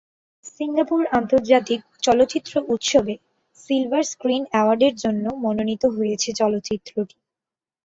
Singapore আন্তর্জাতিক চলচ্চিত্র উৎসবে "সিলভার স্ক্রিন অ্যাওয়ার্ডের" জন্য মনোনীত হয়েছে চলচ্চিত্রটি।